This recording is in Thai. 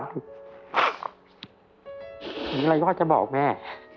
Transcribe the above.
อะไรก็จะบอกแม่